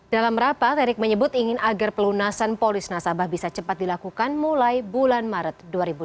dalam rapat erick menyebut ingin agar pelunasan polis nasabah bisa cepat dilakukan mulai bulan maret dua ribu delapan belas